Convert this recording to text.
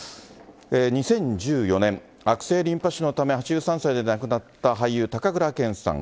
２０１４年、悪性リンパ腫のため８３歳で亡くなった俳優、高倉健さん。